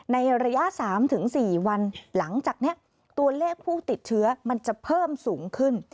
ในระยะ๓๔วันหลังจากนี้ตัวเลขผู้ติดเชื้อมันจะเพิ่มสูงขึ้น